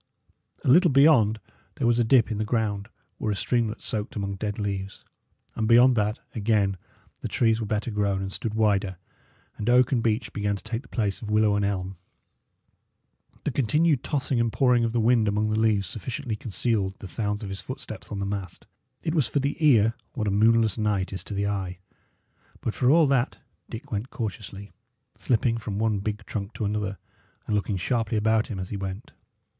A little beyond there was a dip in the ground, where a streamlet soaked among dead leaves; and beyond that, again, the trees were better grown and stood wider, and oak and beech began to take the place of willow and elm. The continued tossing and pouring of the wind among the leaves sufficiently concealed the sounds of his footsteps on the mast; it was for the ear what a moonless night is to the eye; but for all that Dick went cautiously, slipping from one big trunk to another, and looking sharply about him as he went.